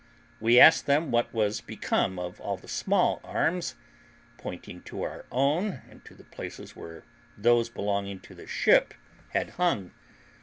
We asked them what was become of all the small arms, pointing to our own and to the places where those belonging to the ship had hung.